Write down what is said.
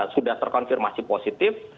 sudah terkonfirmasi positif